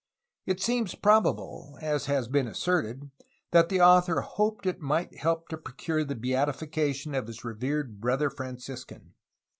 It seems probable, as has been asserted, that the author hoped it might help to procure the beatification of his revered brother Franciscan.